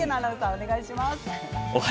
お願いします。